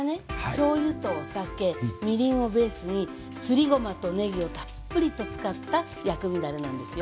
しょうゆとお酒みりんをベースにすりごまとねぎをたっぷりと使った薬味だれなんですよ。